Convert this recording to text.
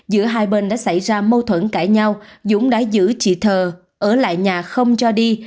giữa hai bên đã xảy ra mâu thuẫn cãi nhau dũng đã giữ chị thờ ở lại nhà không cho đi